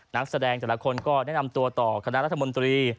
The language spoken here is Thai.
นักแสดงแต่ละคนก็แนะนำตัวต่อคณะรัฐมนตรี